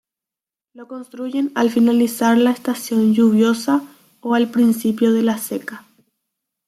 Lo construyen al finalizar la estación lluviosa o al principio de la seca.